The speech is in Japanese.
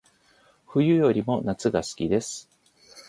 冬よりも夏が好きです